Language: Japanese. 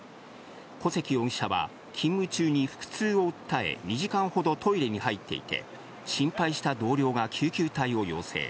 小関容疑者は勤務中に腹痛を訴え、２時間ほどトイレに入っていて、心配した同僚が救急隊を要請。